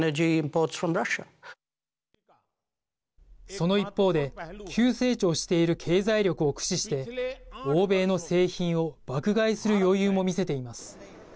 その一方で急成長している経済力を駆使して欧米の製品を爆買いする余裕も見せています。